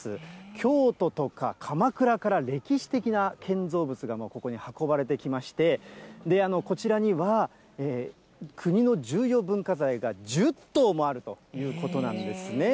京都とか鎌倉から歴史的な建造物がここに運ばれてきまして、こちらには、国の重要文化財が１０棟もあるということなんですね。